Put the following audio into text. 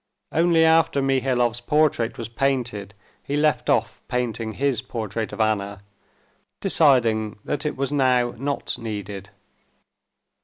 Only after Mihailov's portrait was painted he left off painting his portrait of Anna, deciding that it was now not needed.